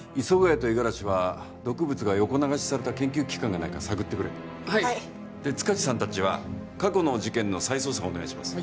谷と五十嵐は毒物が横流しされた研究機関がないか探ってくれはいで塚地さん達は過去の事件の再捜査をお願いします